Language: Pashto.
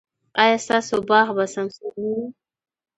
ایا ستاسو باغ به سمسور نه وي؟